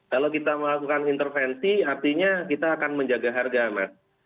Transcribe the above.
kalau kita melakukan intervensi artinya kita akan menjaga harga mas